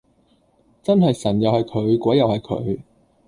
真係神又係佢鬼又係佢